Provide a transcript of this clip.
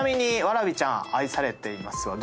わらびちゃん、愛されています！